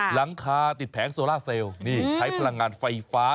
หลังคาติดแผงโซล่าเซลล์นี่ใช้พลังงานไฟฟ้า